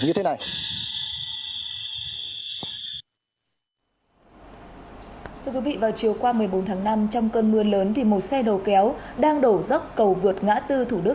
thưa quý vị vào chiều qua một mươi bốn tháng năm trong cơn mưa lớn thì một xe đầu kéo đang đổ dốc cầu vượt ngã tư thủ đức